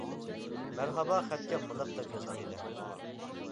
مەرھابا خەتكە مۇنداق دەپ يازغان ئىدى.